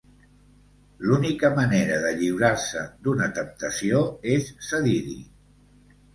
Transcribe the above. L'única manera de lliurar-se d'una temptació és cedir-hi.